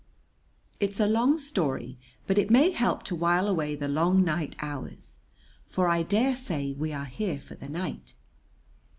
"It is a long story, but it may help to while away the long night hours; for I dare say we are here for the night.